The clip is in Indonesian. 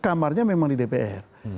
kamarnya memang di dpr